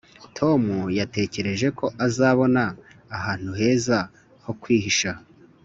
tom yatekereje ko azabona ahantu heza ho kwihisha.